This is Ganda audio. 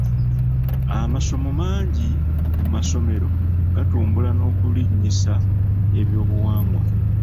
Amasomo mangi mu masomero gatumbula n'okulinnyisa ebyobuwangwa.